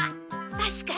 たしかに。